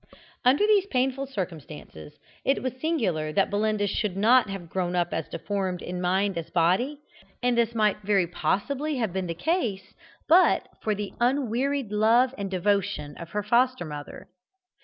Under these painful circumstances it was singular that Belinda should not have grown up as deformed in mind as body, and this might very possibly have been the case but for the unwearied love and devotion of her foster mother.